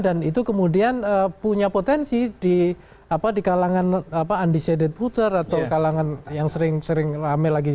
dan itu kemudian punya potensi di kalangan undecided puter atau kalangan yang sering sering rame lagi